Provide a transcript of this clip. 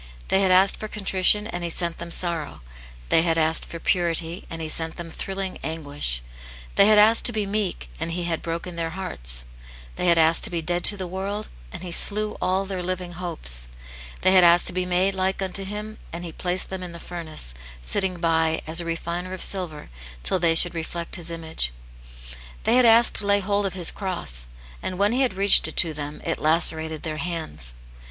They had asked for contrition, and he sent them sorrow; they had asked for purity, and He sent them thrilling anguish ; they had asked to be meek, and He had broken their hearts ; they had asked to be dead to the world, and He slew all their living hopes ; they had asked to be made like unto Him, and He placed them in the furnace, sitting by "as a refiner of silver," till they should reflect His image ; they had asked to lay hold of His cross, and when He had reached it to them, it lacerated their hands.